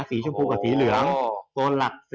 สีชมพูกับสีเหลืองตัวหลัก๑๐